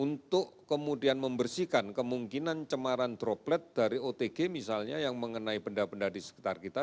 untuk kemudian membersihkan kemungkinan cemaran droplet dari otg misalnya yang mengenai benda benda di sekitar kita